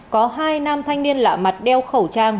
có hai nam thanh niên lạ mặt đeo khẩu trang